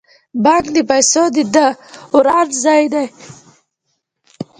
بانک د پیسو د دوران ځای دی